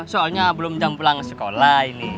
soalnya belum jam pulang sekolah ini